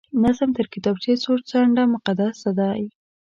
نظم تر کتابچې څو چنده مقدسه دی